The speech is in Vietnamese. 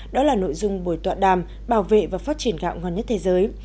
đó là nội dung buổi tọa đàm bảo vệ và phát triển gạo ngon nhất thế giới